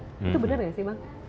itu bener gak sih bang